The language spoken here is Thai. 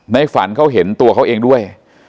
ในฝันเขาเห็นตัวเขาเองด้วย